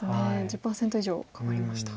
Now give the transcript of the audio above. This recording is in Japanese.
１０％以上変わりました。